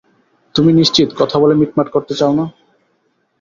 তুমি নিশ্চিত কথা বলে মিটমাট করতে চাও না?